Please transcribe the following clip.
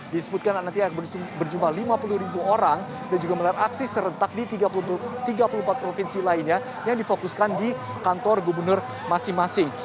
disebutkan nanti berjumlah lima puluh ribu orang dan juga melihat aksi serentak di tiga puluh empat provinsi lainnya yang difokuskan di kantor gubernur masing masing